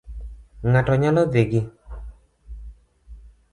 Ng'ato nyalo dhi gi